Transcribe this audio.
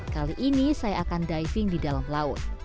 kali ini saya akan diving di dalam laut